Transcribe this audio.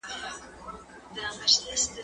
زه تکړښت کړی دی